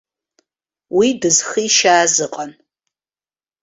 Уи дызхишьааз ыҟан.